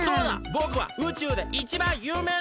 ぼくは宇宙でいちばんゆうめいな王子！